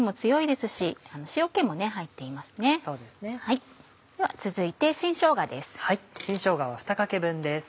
では続いて新しょうがです。